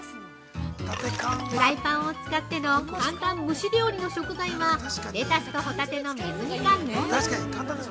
フライパンを使っての簡単蒸し料理の食材はレタスとホタテの水煮缶のみ。